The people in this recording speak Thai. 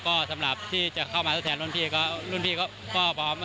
ก็สำหรับที่จะเข้ามาทดแทนรุ่นพี่ก็พร้อม